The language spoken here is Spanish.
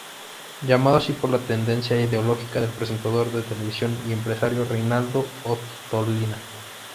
Llamado así por la tendencia ideológica del presentador de televisión y empresario Reinaldo Ottolina.